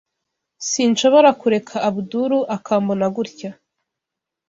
Sinshobora kureka Abdul akambona gutya.